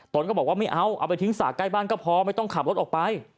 ตนก็บอกว่าไม่เอาเอาไปทิ้งสระใกล้บ้านก็พอไม่ต้องขับรถออกไป